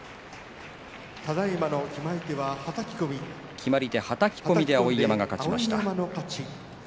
決まり手はたき込みで碧山が勝ちました。